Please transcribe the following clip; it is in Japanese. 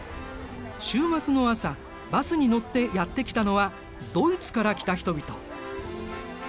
週末の朝バスに乗ってやって来たのはドイツから来た人々。